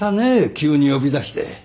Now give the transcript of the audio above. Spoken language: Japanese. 急に呼び出して。